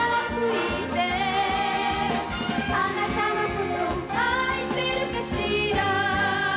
「あなたのこと愛せるかしら」